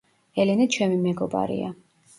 ელენე ჩემი მეგობარია